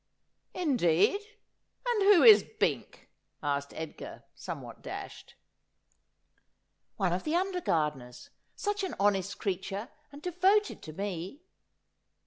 ' Indeed ! And who is Bink ?' asked Edgar, somewhat dashed. ' One of the under gardeners. Such an honest creature, and devoted to me.'